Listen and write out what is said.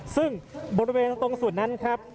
ซึ่งบริเวณตรงส่วนนั้นครับ